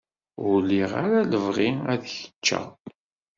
Ur liɣ ara lebɣi ad ččeɣ.